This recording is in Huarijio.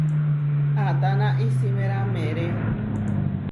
¿Atána isímera meeré?